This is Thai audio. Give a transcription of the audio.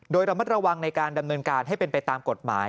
โดยระมัดระวังในการดำเนินการให้เป็นไปตามกฎหมาย